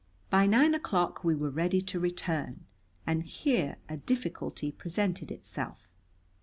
By nine o'clock we were ready to return. And here a difficulty presented itself.